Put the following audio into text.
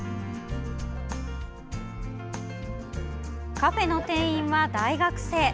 カフェの店員は大学生。